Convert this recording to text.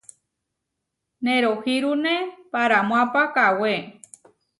Nerohírune paramoápa kawé.